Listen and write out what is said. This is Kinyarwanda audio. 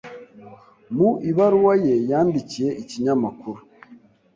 Mu ibaruwa ye yandikiye ikinyamakuru